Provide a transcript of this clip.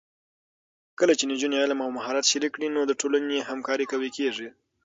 کله چې نجونې علم او مهارت شریک کړي، نو د ټولنې همکاري قوي کېږي.